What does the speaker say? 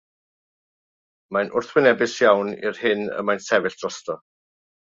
Mae'n wrthwynebus iawn i'r hyn y mae'n sefyll drosto.